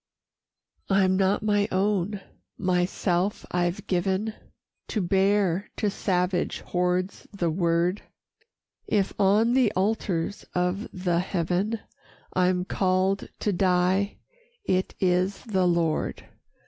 IV "I'm not my own, myself I've given, To bear to savage hordes the word; If on the altars of the heaven I'm called to die, it is the Lord.